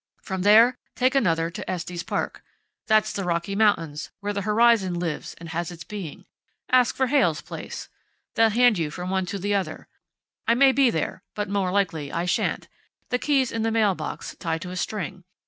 From there take another to Estes Park. That's the Rocky Mountains, where the horizon lives and has its being. Ask for Heyl's place. They'll hand you from one to the other. I may be there, but more likely I shan't. The key's in the mail box, tied to a string.